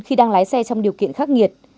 khi đang lái xe trong điều kiện khắc nghiệt